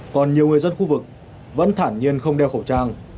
còn nhiều người dân khu vực vẫn thản nhiên không đeo khẩu trang